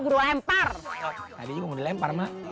gua lempar tadi juga udah lempar emak